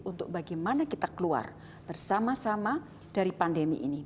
untuk bagaimana kita keluar bersama sama dari pandemi ini